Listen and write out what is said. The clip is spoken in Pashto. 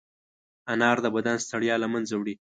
انار د بدن ستړیا له منځه وړي.